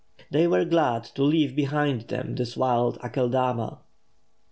They were glad to leave behind them this wild Aceldama.